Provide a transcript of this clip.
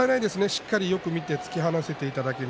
しっかりよく見て突き放していただけに。